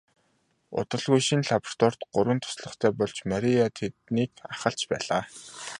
Удалгүй шинэ лабораторид гурван туслахтай болж Мария тэднийг ахалж байлаа.